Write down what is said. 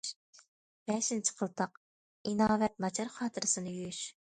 بەشىنچى قىلتاق:« ئىناۋەت ناچار خاتىرىسىنى يۇيۇش».